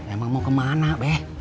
emang mau kemana be